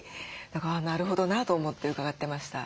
だからなるほどなと思って伺ってました。